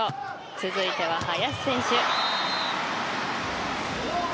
続いては林選手。